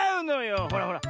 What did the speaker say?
ほらほら